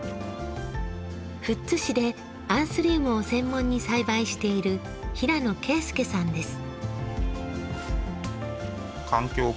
富津市でアンスリウムを専門に栽培している平野圭祐さんです。